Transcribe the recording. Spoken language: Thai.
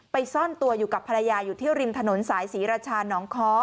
ซ่อนตัวอยู่กับภรรยาอยู่ที่ริมถนนสายศรีราชาน้องค้อ